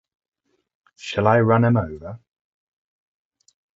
Shall I run 'em over?